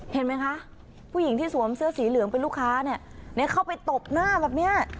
เห็นไหมคะผู้หญิงที่สวมเสื้อสีเหลืองเป็นลูกค้าเนี่ยเข้าไปตบหน้าแบบเนี้ย